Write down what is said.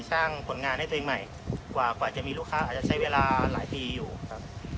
สร้างผลงานให้ตัวเองใหม่กว่าจะมีลูกค้าอาจจะใช้เวลาหลายปีอยู่ครับ